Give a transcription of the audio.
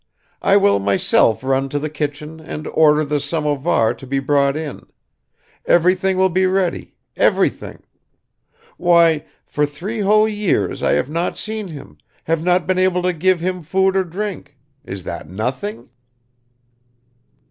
I will myself run to the kitchen and order the samovar to be brought in; everything will be ready, everything. Why, for three whole years I have not seen him, have not been able to give him food or drink is that nothing?"